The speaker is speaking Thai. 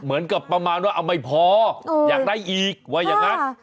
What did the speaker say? เหมือนกับประมาณว่าเอาไม่พออยากได้อีกว่าอย่างนั้น